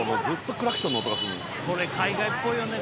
これ海外っぽいよね